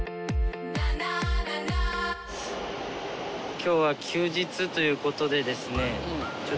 今日は休日ということでですね。